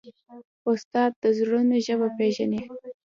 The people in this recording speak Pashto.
استاد د زړونو ژبه پېژني.